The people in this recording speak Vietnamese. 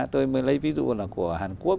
tôi mới lấy ví dụ là của hàn quốc